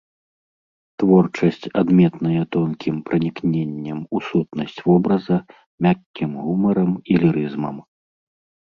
Творчасць адметная тонкім пранікненнем у сутнасць вобраза, мяккім гумарам і лірызмам.